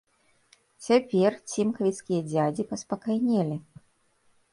Цяпер цімкавіцкія дзядзі паспакайнелі.